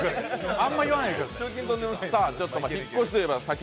あんまり言わないでください。